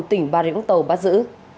tỉnh bà rĩa vũng tàu bắt giữ